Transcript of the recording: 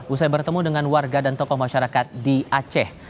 usai bertemu dengan warga dan tokoh masyarakat di aceh